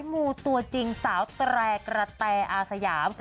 มูตัวจริงสาวแตรกระแตอาสยาม